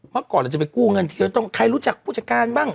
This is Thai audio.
เมื่อก่อนเราจะไปกู้เงินทีเราต้องใครรู้จักผู้จัดการบ้าง